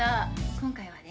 今回はね